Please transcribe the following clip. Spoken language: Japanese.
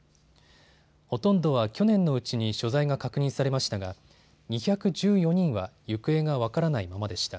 ほとんどは去年のうちに所在が確認されましたが２１４人は行方が分からないままでした。